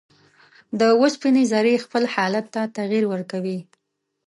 د اوسپنې ذرې خپل حالت ته تغیر ورکوي.